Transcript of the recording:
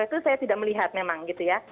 itu saya tidak melihat memang gitu ya